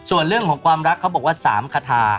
ส่วนเรื่องของความรักเขาบอกว่า๓คาทา